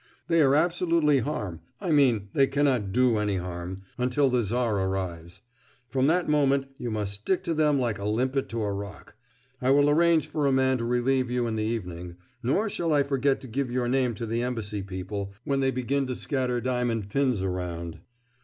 They are absolutely harm I mean they cannot do any harm until the Tsar arrives. From that moment you must stick to them like a limpet to a rock; I will arrange for a man to relieve you in the evening, nor shall I forget to give your name to the Embassy people when they begin to scatter diamond pins around."